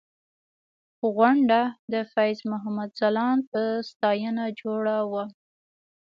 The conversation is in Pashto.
غونډه د فیض محمد ځلاند په ستاینه جوړه وه.